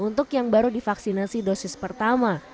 untuk yang baru divaksinasi dosis pertama